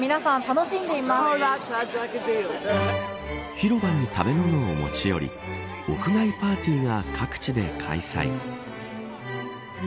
広場に食べ物を持ち寄り屋外パーティーが各地で開催。